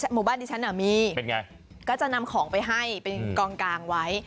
หมู่บ้านดิฉันมีเป็นไงก็จะนำของไปให้เป็นกองกลางไว้